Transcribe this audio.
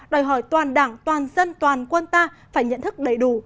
đòi hỏi toàn đảng toàn dân toàn quân ta phải nhận thức đầy đủ